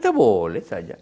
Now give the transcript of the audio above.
itu boleh saja